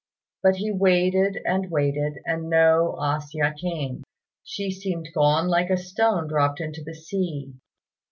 But he waited and waited, and no A hsia came; she seemed gone like a stone dropped into the sea.